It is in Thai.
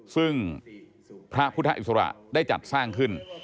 ซึ่งพระพุทธอิสระได้จัดสร้างขึ้น